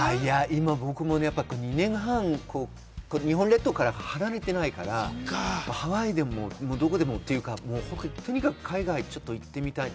今、僕もう２年半、日本列島から離れていないから、ハワイでもどこでもというか、とにかく海外に行ってみたい。